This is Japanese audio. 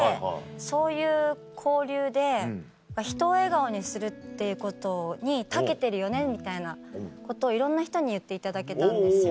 そういう交流で人を笑顔にするっていうことに長けてるよねみたいなことをいろんな人に言っていただけたんですよ。